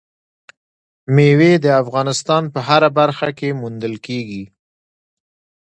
مېوې د افغانستان په هره برخه کې موندل کېږي.